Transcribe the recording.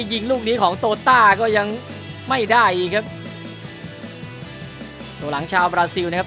ยิงลูกนี้ของโตต้าก็ยังไม่ได้อีกครับตัวหลังชาวบราซิลนะครับ